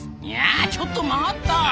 いやちょっと待った！